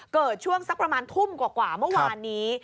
เกิดช่วงสักประมาณทุ่มกว่าเมื่อวานนี้